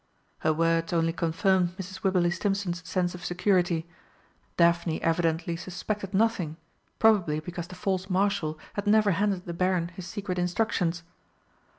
Her words only confirmed Mrs. Wibberley Stimpson's sense of security; Daphne evidently suspected nothing, probably because the false Marshal had never handed the Baron his secret instructions.